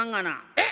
「えっ？